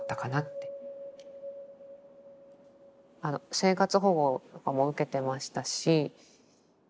生活保護とかも受けてましたし。